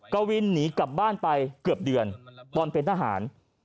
กวินหนีกลับบ้านไปเกือบเดือนตอนเป็นทหาร